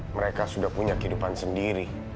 mereka sudah punya kehidupan sendiri